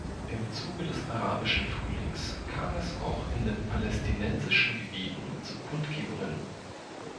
Im Zuge des Arabischen Frühlings kam es auch in den palästinensischen Gebieten zu Kundgebungen.